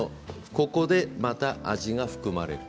ここでまた味が含まれる。